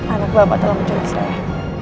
anak bapak telah mencuri saya